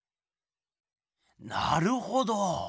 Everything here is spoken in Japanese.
なるほど！